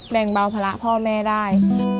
แบ่งเบาภาระพ่อแม่ได้